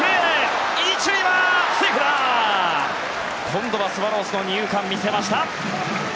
今度はスワローズの二遊間見せました。